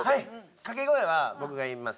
掛け声は僕が言います。